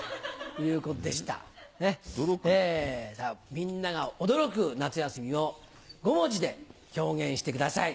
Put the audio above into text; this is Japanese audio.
みんなが驚く夏休みを５文字で表現してください。